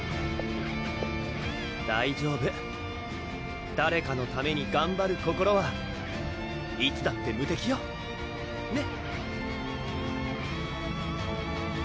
大丈夫誰かのためにがんばる心はいつだって無敵よねっ？